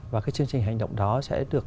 và cái chương trình hành động đó sẽ được